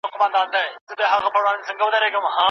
په ټولۍ کي د دوستانو لکه نی غوندی یوازي اوسېده دي